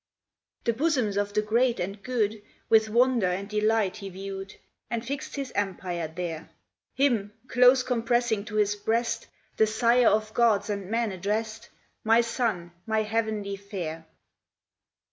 The bosoms of the great and good With wonder and delight he view'd, And fix'd his empire there: Him, close compressing to his breast, The sire of gods and men address'd, "My son, my heav'nly fair!